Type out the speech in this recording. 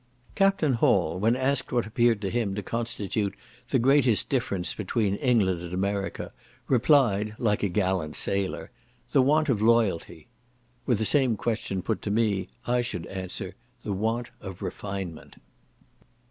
Captain Hall, when asked what appeared to him to constitute the greatest difference between England and America, replied, like a gallant sailor, "the want of loyalty." Were the same question put to me, I should answer, "the want of refinement."